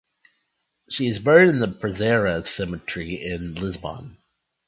She is buried in the Prazeres Cemetery in Lisbon.